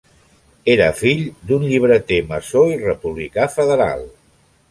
Era fill d'un llibreter maçó i republicà federal.